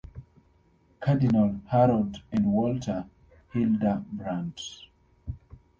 Cardinal, Harold and Walter Hildebrandt.